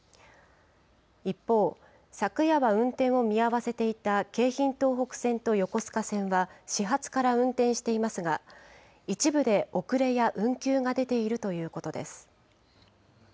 一方、昨夜は運転を見合わせていた京浜東北線と横須賀線は始発から運転していますが、一部で遅れや運休が出ているということです。